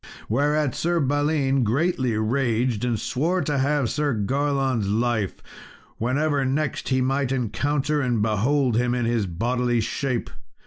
Whereat, Sir Balin greatly raged, and swore to have Sir Garlon's life, whenever next he might encounter and behold him in his bodily shape.